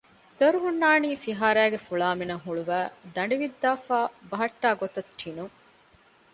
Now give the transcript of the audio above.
ދޮރު ހުންނަނީ ފިހާރައިގެ ފުޅާމިނަށް ހުޅުވައި ދަނޑި ވިއްދާފައި ބަހައްޓާ ގޮތަށް ޓިނުން